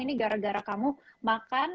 ini gara gara kamu makan